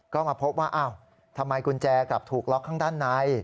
ก็มาพบว่าอ้าวทำไมกุญแจกลับถูกล็อกข้างด้านใน